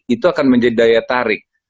itu akan menjadi daya tarik